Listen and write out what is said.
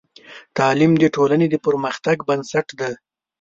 تعلیم د ټولنې د پرمختګ بنسټ دی.